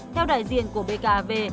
theo đại diện của bkav